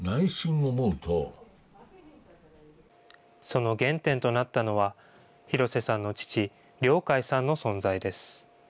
その原点となったのは、廣瀬さんの父、亮誡さんの存在です。